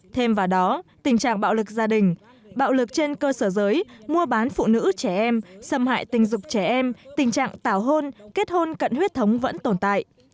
thêm vào đó tình trạng bạo lực gia đình bạo lực trên cơ sở giới mua bán phụ nữ trẻ em xâm hại tình dục trẻ em tình trạng tảo hôn kết hôn cận huyết thống vẫn tồn tại